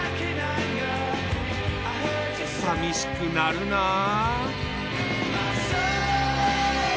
さみしくなるなあ。